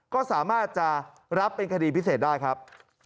ก็สามารถจะรับเป็นคดีพิเศษได้ครับ